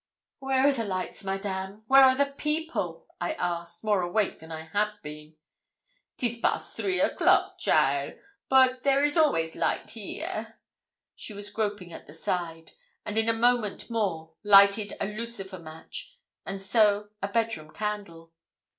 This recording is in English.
'Where are the lights, Madame where are the people?' I asked, more awake than I had been. ''Tis pass three o'clock, cheaile, bote there is always light here.' She was groping at the side; and in a moment more lighted a lucifer match, and so a bedroom candle.